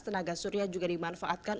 tenaga surya juga dimanfaatkan